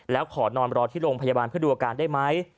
แล้วขอนอนรอที่โรงพยาบาลเพื่อดูอาการได้ไหม